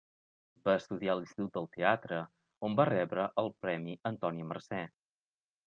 Va estudiar a l'Institut del Teatre, on va rebre el premi Antònia Mercè.